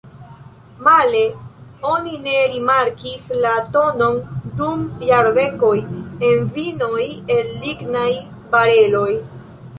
Male oni ne rimarkis la tonon dum jardekoj en vinoj el lignaj bareloj.